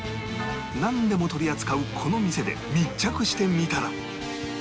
なんでも取り扱うこの店で密着してみたら